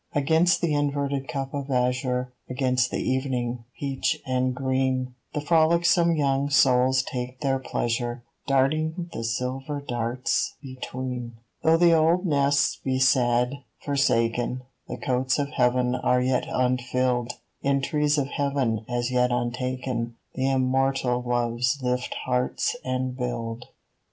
Against the inverted cup of azure, Against the evening, peach and green, The frolicsome young souls take their pleasure, Darting the silver stars between. Though the old nests be sad, forsaken, The cotes of Heaven are yet unfilled : In trees of Heaven as yet untaken The immortal Loves lift hearts and build.